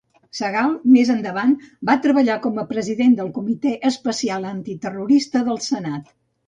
Segal més endavant va treballar com a president del comitè especial antiterrorista del senat.